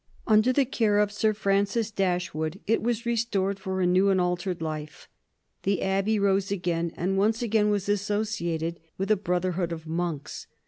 Under the care of Sir Francis Dashwood it was restored for a new and altered life. The abbey rose again, and once again was associated with a brotherhood of monks.